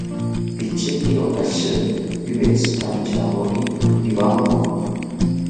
Pichekiro oshi, piwetzikanchawori pipanko